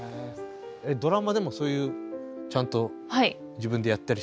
ドラマでもそういうちゃんと自分でやったりしてるの？